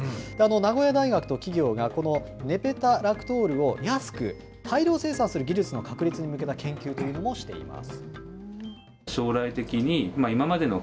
名古屋大学と企業が、このネペタラクトールを安く大量生産する技術の確立に向けた研究というのもしています。